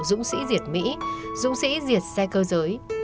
dũng sĩ diệt mỹ dũng sĩ diệt xe cơ giới